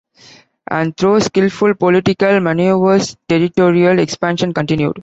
And through skillful political manoeuvres territorial expansion continued.